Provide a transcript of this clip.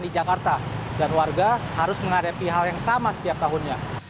di jakarta dan warga harus menghadapi hal yang sama setiap tahunnya